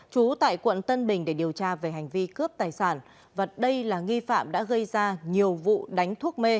trú tại quận tân bình để điều tra về hành vi cướp tài sản và đây là nghi phạm đã gây ra nhiều vụ đánh thuốc mê